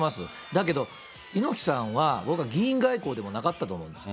だけど、猪木さんは僕は議員外交でもなかったと思うんです。